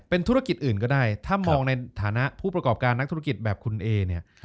ธุรกิจอื่นก็ได้ถ้ามองในฐานะผู้ประกอบการนักธุรกิจแบบคุณเอเนี่ย